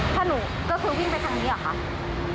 ถ้าหนูก็คือวิ่งไปทางนี้เหรอคะ